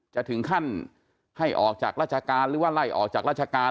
จะถึงขั้นให้ออกจากราชการหรือว่าไล่ออกจากราชการ